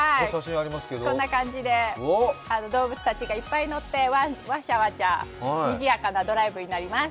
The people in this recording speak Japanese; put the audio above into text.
こんな感じで動物たちがいっぱい乗ってわちゃわちゃにぎやかなドライブになります。